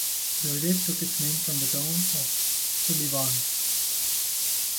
The village took its name from the Town of Sullivan.